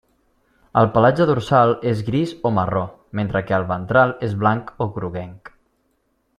El pelatge dorsal és gris o marró, mentre que el ventral és blanc o groguenc.